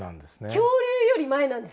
恐竜より前なんですね！